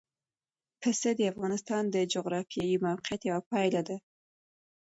پسه د افغانستان د جغرافیایي موقیعت یوه پایله ده.